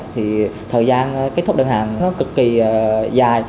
thì thời gian kết thúc đơn hàng nó cực kỳ dài